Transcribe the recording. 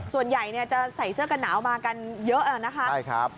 ส่วนใหญ่จะใส่เสื้อกันหนาวมากันเยอะนะคะ